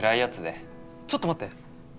ちょっと待って。